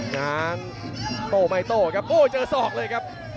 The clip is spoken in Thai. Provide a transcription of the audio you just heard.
งานโต้ไม่โต้ครับโอ้เจอศอกเลยครับ